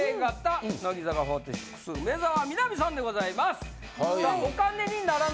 はい。